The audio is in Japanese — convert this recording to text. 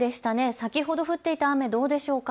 先ほど降っていた雨、どうでしょうか。